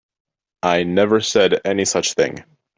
I never said any such thing.